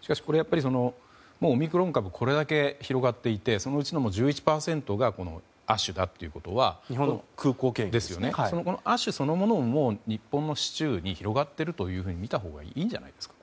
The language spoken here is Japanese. しかし、オミクロン株がこれだけ広がっていてそのうちの１１％がこの亜種だということは亜種そのものも日本の市中に広がっているとみたほうがいいんじゃないですか？